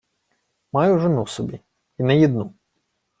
— Маю жону собі... Й не їдну.